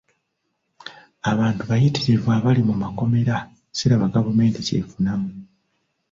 Abantu bayitirivu abali mu makomera siraba gavumenti ky'efunamu.